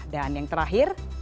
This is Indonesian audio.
dan yang terakhir